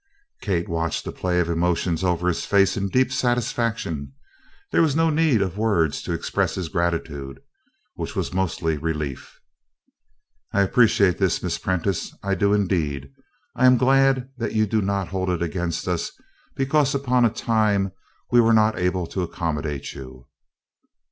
Kate watched the play of emotions over his face in deep satisfaction. There was no need of words to express his gratitude which was mostly relief. "I appreciate this, Miss Prentice, I do indeed. I am glad that you do not hold it against us because upon a time we were not able to accommodate you."